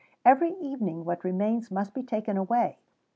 Every evening what remains must be taken away.